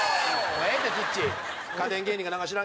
もうええってツッチー。